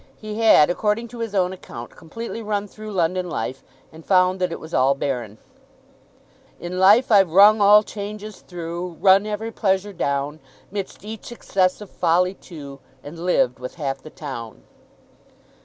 He had, according to his own account, completely run through London life and found that it was all barren. "In life I've rung all changes through, Run every pleasure down, 'Midst each excess of folly too, And lived with half the town."